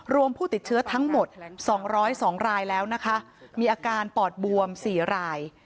ผู้ติดเชื้อทั้งหมด๒๐๒รายแล้วนะคะมีอาการปอดบวม๔ราย